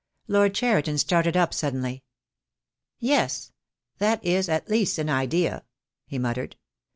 Lord Cheriton started up suddenly. "Yes, that is at least an idea," he muttered.